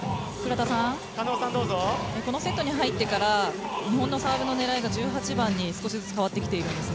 このセットに入ってから日本のサーブの狙いが１８番に少しずつ変わってきているんです。